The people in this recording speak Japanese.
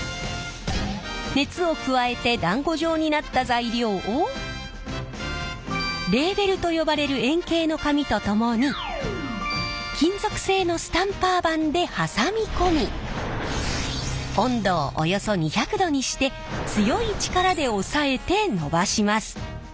熱を加えてだんご状になった材料をレーベルと呼ばれる円形の紙と共に金属製のスタンパー盤で挟み込み温度をおよそ２００℃にして強い力で押さえて伸ばします。